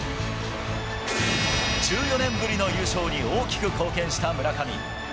１４年ぶりの優勝に大きく貢献した村上。